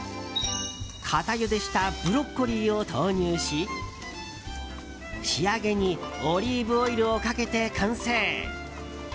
固ゆでしたブロッコリーを投入し仕上げにオリーブオイルをかけて完成！